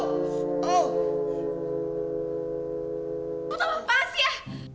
kamu tak apa apa sih ya